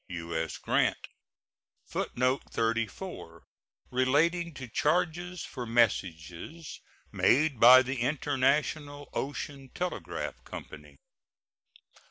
U.S. GRANT. [Footnote 34: Relating to charges for messages made by the International Ocean Telegraph Company.